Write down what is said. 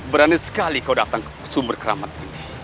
berani sekali kau datang ke sumber keramat ini